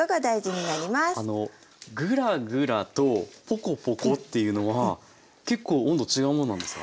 あのグラグラとポコポコっていうのは結構温度違うものなんですか？